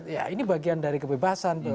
ya ini bagian dari kebebasan